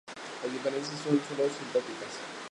Las diferencias son sólo sintácticas.